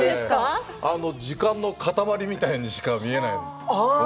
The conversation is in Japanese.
時間の塊みたいにしか思えない。